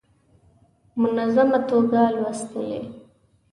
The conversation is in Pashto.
منظمه توګه لوستلې.